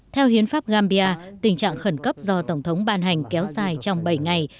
theo hiến pháp gambia tình trạng khẩn cấp do tổng thống ban hành kéo dài trong bảy ngày